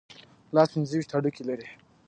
لاس پنځه ویشت هډوکي لري.